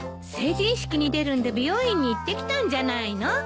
成人式に出るんで美容院に行ってきたんじゃないの？